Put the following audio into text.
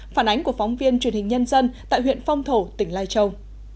phản ánh của phóng viên truyền hình nhân dân tại huyện phong thổ tỉnh lai châu